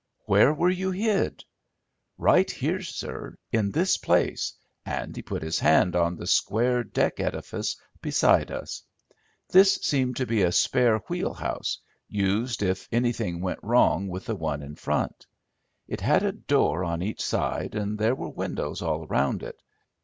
"Where were you hid?" "Right here, sir, in this place," and he put his hand on the square deck edifice beside us. This seemed to be a spare wheel house, used if anything went wrong with the one in front. It had a door on each side and there were windows all round it.